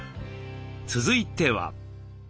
続いては。